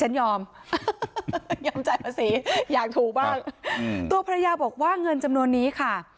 ยอมยอมจ่ายภาษีอยากถูกบ้างตัวภรรยาบอกว่าเงินจำนวนนี้ค่ะ